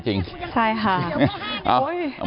ดูดซีขุน